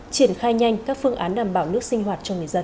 triển khai nhanh các phương án đảm bảo nước sinh hoạt cho người dân